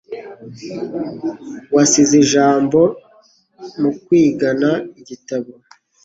Wasize ijambo mukwigana igitabo